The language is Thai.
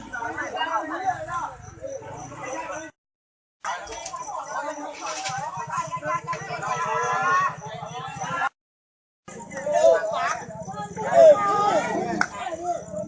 ในโรงงานเกี่ยวกับภูมิพลัง